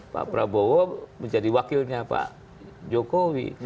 pak prabowo menjadi wakilnya pak jokowi